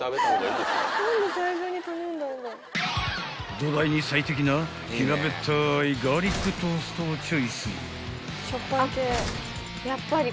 ［土台に最適な平べったいガーリックトーストをチョイス］